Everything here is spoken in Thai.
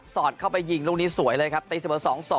อดเข้าไปยิงลูกนี้สวยเลยครับตีเสมอ๒๒